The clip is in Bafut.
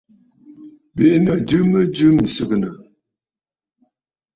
Bì’inǝ̀ jɨ mɨjɨ mì sɨgɨnǝ̀.